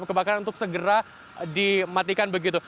kebakaran untuk segera dimatikan begitu